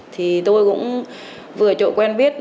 thì tôi cũng vừa chỗ quen biết